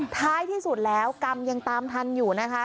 ท้ายที่สุดแล้วกรรมยังตามทันอยู่นะคะ